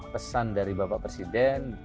pesan dari bapak presiden